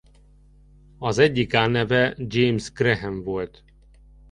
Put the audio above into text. Az egyik álneve James Graham volt.